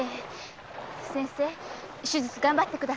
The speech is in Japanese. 先生手術頑張ってくださいね。